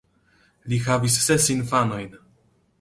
Li havis ses infanojn.